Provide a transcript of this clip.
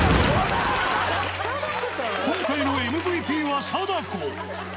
今回のＭＶＰは貞子。